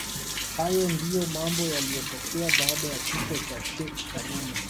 Hayo ndio mambo yaliyotokea baada ya kifo cha sheikh karume